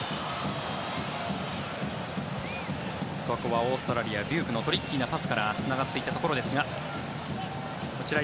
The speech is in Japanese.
ここはオーストラリアデュークのトリッキーなパスからつながっていったところですがこちら